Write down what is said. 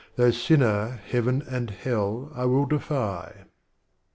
Though Sinner, Heaven and Hell I will defy.